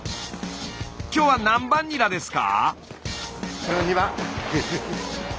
今日は何番ニラですか？